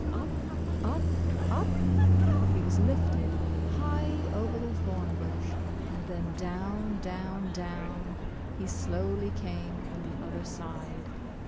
Up, up, up he w^as lifted, high over the thorn bush, and then down, down, down he slowly came on the other side.